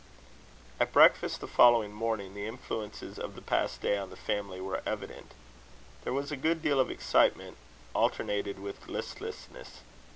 At breakfast the following morning, the influences of the past day on the family were evident. There was a good deal of excitement, alternated with listlessness.